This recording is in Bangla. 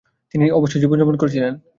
তিনি অবসর জীবনযাপন করছিলেন।